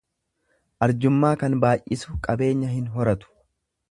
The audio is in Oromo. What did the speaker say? Arjummaa kan baay'isu qabeenya hin horatu.